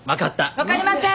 分かりません！